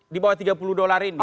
di bawah tiga puluh dolar ini